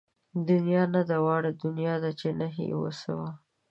دنيا نه ده واړه دين دئ چې له نَهېِ وي سِوا